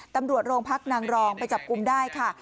ตำรวจโรงพักนางรองไปจับกลุ่มได้ค่ะ